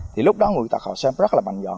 thì lúc đó người tật họ sẽ rất là mạnh dọn